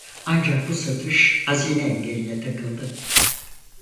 Ancak bu satış Hazine engeline takıldı.